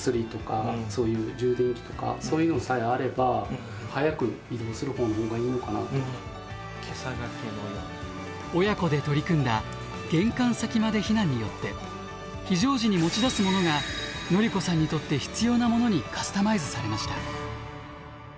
何か本当に親子で取り組んだ「玄関先まで避難」によって非常時に持ち出すものがのりこさんにとって必要なものにカスタマイズされました。